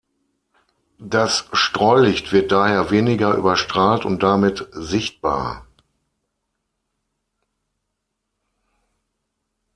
Das Streulicht wird daher weniger überstrahlt und damit sichtbar.